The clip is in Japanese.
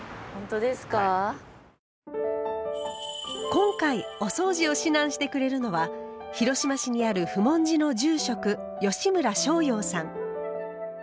今回おそうじを指南してくれるのは広島市にある普門寺の住職吉村昇洋さん。